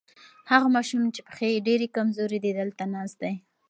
هغه ماشوم چې پښې یې ډېرې کمزورې دي دلته ناست دی.